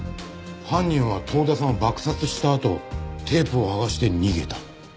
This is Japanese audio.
犯人は遠田さんを爆殺したあとテープを剥がして逃げた。